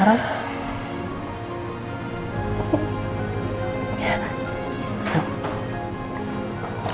terima kasih sarah